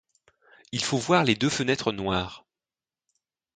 Il faut voir les deux fenêtres noires.